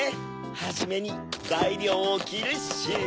はじめにざいりょうをきるっシュ